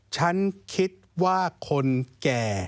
ฉันคิดว่าคนแก่